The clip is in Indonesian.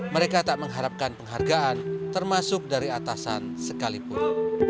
mereka tak mengharapkan penghargaan termasuk dari atasan sekalipun